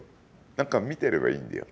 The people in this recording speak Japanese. なんか見てればいいんだよ。